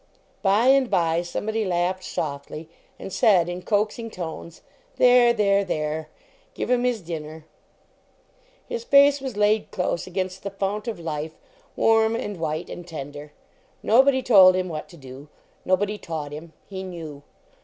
By and by, somebody laughed softly and said in coaxing tones, "There there there give him his din ner." His face was laid close against the fount of life, warm and white and tender. Nobody told him what to do. Nobody taught him. He knew.